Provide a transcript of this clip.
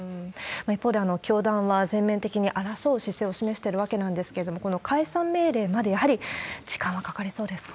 一方で、教団は全面的に争う姿勢を示してるわけなんですけれども、この解散命令まで、やはり時間はかかりそうですか？